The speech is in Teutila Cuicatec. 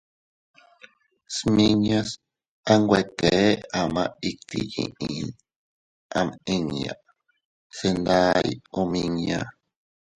Smiñas a nwe kee ama itti yiʼi am inña, se nday omiña.